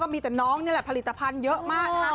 ก็มีแต่น้องธนเนี้ยแหละผลิตภัณฑ์เยอะมาก